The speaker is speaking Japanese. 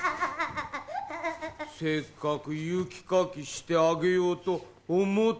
せっかく雪かきしてあげようと思ったのに。